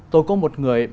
tôi có một người